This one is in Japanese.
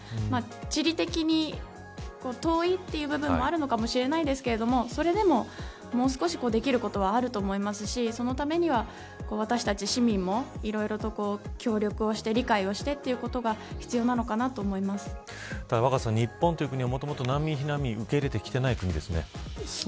まあ、地理的に遠いという部分もあるのかもしれないですけどそれでも、もう少しできることはあると思いますしそのためには私たち市民もいろいろと協力をして、理解をしてということが若狭さん、日本という国は難民、避難民を受け入れていない国ですね。